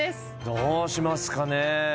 どうしますかね。